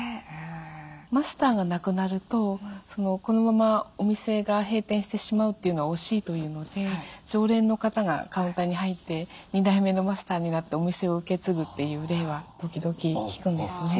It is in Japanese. マスターが亡くなるとこのままお店が閉店してしまうっていうのは惜しいというので常連の方がカウンターに入って２代目のマスターになってお店を受け継ぐという例は時々聞くんですね。